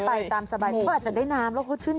ไปตามสบายที่สุด